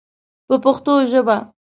په پښتو ژبه.